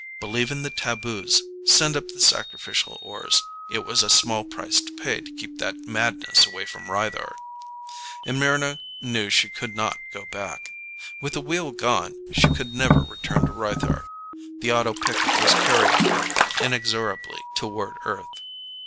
Believe in the taboos; send up the sacrificial ores. It was a small price to pay to keep that madness away from Rythar. And Mryna knew she could not go back. With the Wheel gone, she could never return to Rythar; the auto pickup was carrying her inexorably toward Earth.